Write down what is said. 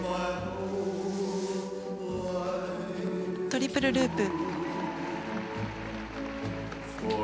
トリプルループ。